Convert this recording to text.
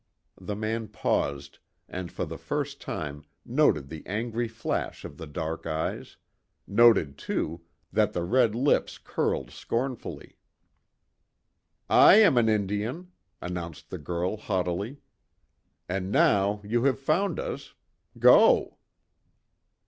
The man paused, and for the first time noted the angry flash of the dark eyes noted, too, that the red lips curled scornfully. "I am an Indian," announced the girl, haughtily, "And, now you have found us go!"